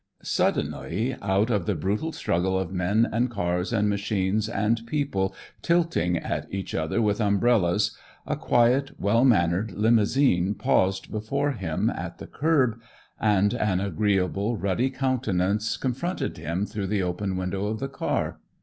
Suddenly, out of the brutal struggle of men and cars and machines and people tilting at each other with umbrellas, a quiet, well mannered limousine paused before him, at the curb, and an agreeable, ruddy countenance confronted him through the open window of the car.